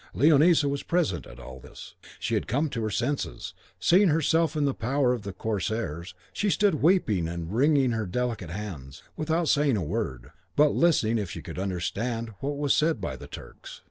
Leonisa was present at all this. She had come to her senses, and seeing herself in the power of the corsairs, she stood weeping and wringing her delicate hands, without saying a word, but listening if she could understand what was said by the Turks.